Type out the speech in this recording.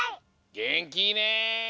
げんきいいね。